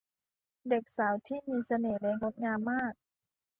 เด็กสาวที่มีเสน่ห์และงดงามมาก